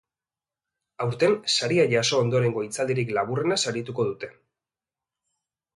Aurten, saria jaso ondorengo hitzaldirik laburrena sarituko dute.